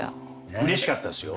うれしかったですよ。